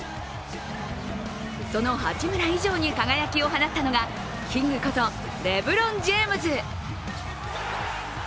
その八村以上に輝きを放ったのがキングことレブロン・ジェームズ。